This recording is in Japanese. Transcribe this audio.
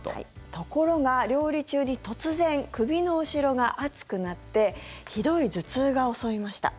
ところが、料理中に突然首の後ろが熱くなってひどい頭痛が襲いました。